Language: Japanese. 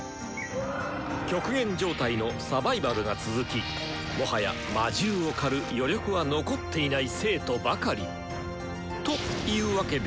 極限状態のサバイバルが続きもはや魔獣を狩る余力は残っていない生徒ばかりというわけでもない！